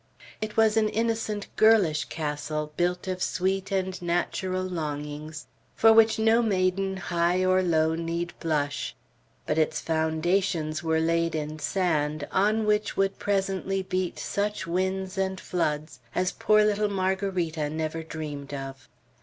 It was an innocent, girlish castle, built of sweet and natural longings, for which no maiden, high or low, need blush; but its foundations were laid in sand, on which would presently beat such winds and floods as poor little Margarita never dreamed of.